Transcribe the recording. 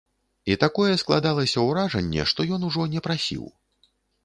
І такое складалася ўражанне, што ён ужо не прасіў.